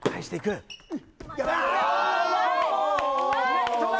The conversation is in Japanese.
ネットだ！